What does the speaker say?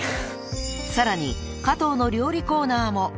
［さらに加藤の料理コーナーも］